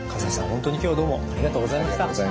本当に今日はどうもありがとうございました。